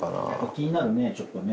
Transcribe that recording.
気になるね、ちょっとね。